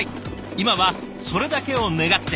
今はそれだけを願って。